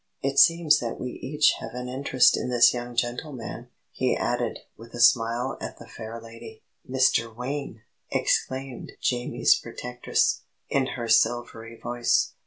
It seems that we each have an interest in this young gentleman," he added, with a smile at the fair lady. "Mr. Wayne!" exclaimed Jamie's protectress, in her silvery voice.